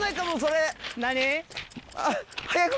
何？